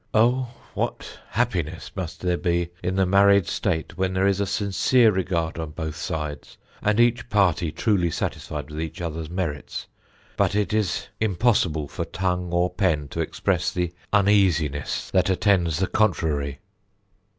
Oh, what happiness must there be in the married state, when there is a sincere regard on both sides, and each partie truly satisfied with each other's merits. But it is impossible for tongue or pen to express the uneasiness that attends the contrary.